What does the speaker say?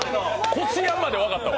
こしあんまで分かったわ。